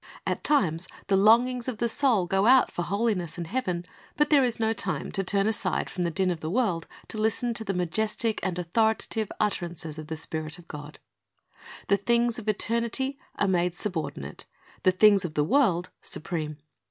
At times the longings of the 1 Rom. 12 : II 52 Christ's Object Lessons soul go out for holiness and heaven; but there is no time to turn aside from the din of the world to listen to the majestic and authoritative utterances of the Spirit of God. The things of eternity are made subordinate, the things of the world supreme.